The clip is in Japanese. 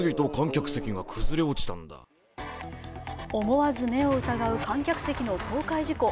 思わず目を疑う観客席の倒壊事故。